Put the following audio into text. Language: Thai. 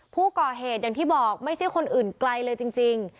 ผู้ก่อเหตุอย่างที่บอกไม่ใช่คนอื่นไกลเลยจริง